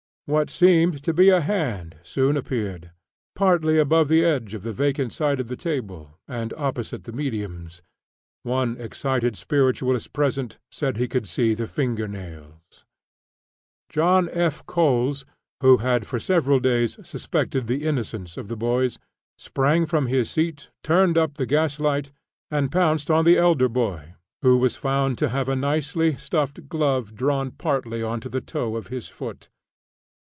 What seemed to be a hand soon appeared, partly above the edge of the vacant side of the table, and opposite the "mediums." One excited spiritualist present said he could see the finger nails. John F. Coles who had for several days, suspected the innocence of the boys sprang from his seat, turned up the gaslight, and pounced on the elder boy, who was found to have a nicely stuffed glove drawn partly on to the toe of his boot.